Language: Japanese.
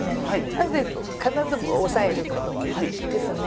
なので必ず押さえることですね。